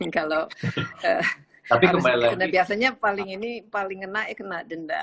kalau biasanya paling ini paling kena ya kena denda